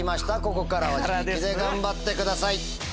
ここからは自力で頑張ってください。